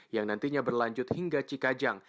yang nantinya berlanjut hingga cikajang